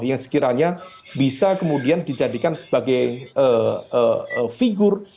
yang sekiranya bisa kemudian dijadikan sebagai figur